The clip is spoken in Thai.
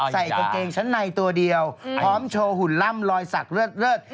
ใส่กางเกงชั้นในตัวเดียวพร้อมโชว์หุ่นล่ำรอยสักเลิศ